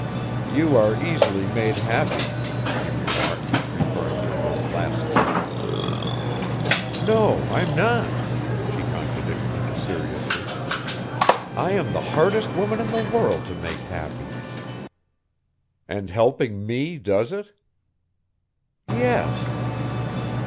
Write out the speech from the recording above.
"You are easily made happy," he remarked, referring to her last sentence. "No, I'm not," she contradicted him seriously. "I am the hardest woman in the world to make happy." "And helping me does it?" "Yes."